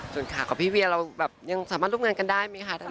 ส่วนข่าวกับพี่เวียเราแบบยังสามารถร่วมงานกันได้ไหมคะ